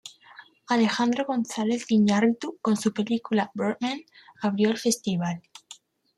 Alejandro González Iñárritu, con su película "Birdman", abrió el festival.